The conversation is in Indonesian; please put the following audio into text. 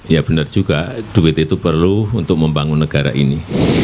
ya benar juga duit itu perlu untuk membangun negara ini